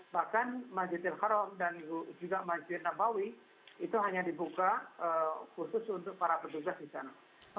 bahkan masjid al haram dan juga masjid nabawi itu hanya dibuka khusus untuk para petugas di sana